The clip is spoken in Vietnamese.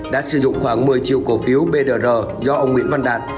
đã sử dụng khoảng một mươi triệu cổ phiếu brr do ông nguyễn văn đạt